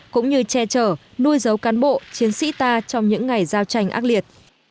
cũng như che chở nuôi dấu cán bộ chiến sĩ ta trong những ngày giao tranh ác liệt